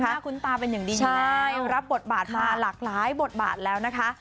ช่างมากคุณตาเป็นอย่างดีนิ้วค่ะใช่รับบทบาทมาหลากลายบทบาทแล้วนะคะ